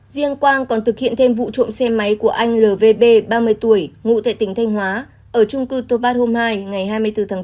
riêng quang còn thực hiện thêm vụ trộm xe máy của anh lvb ba mươi tuổi ngụ tại tỉnh thanh hóa ở trung cư tô pát hôm hai ngày hai mươi bốn tháng bốn